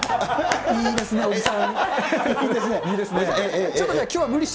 いいですね、おじさん。